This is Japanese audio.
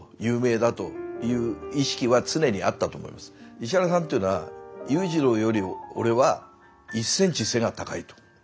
石原さんというのは「裕次郎より俺は１センチ背が高い」と。